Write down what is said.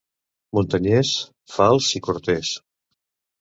Muntanyès, fals i cortès.